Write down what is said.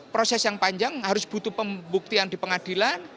proses yang panjang harus butuh pembuktian di pengadilan